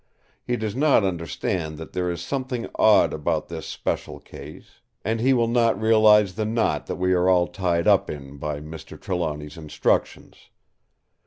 He does not understand that there is something odd about this special case; and he will not realise the knot that we are all tied up in by Mr. Trelawny's instructions.